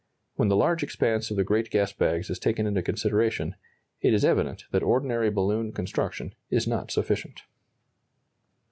When the large expanse of the great gas bags is taken into consideration, it is evident that ordinary balloon construction is not sufficient.